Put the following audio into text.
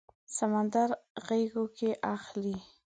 سمندر غیږو کې اخلي